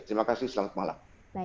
terima kasih selamat malam